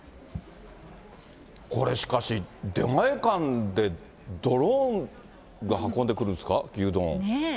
これ、しかし、出前館で、ドローンが運んでくるんですか？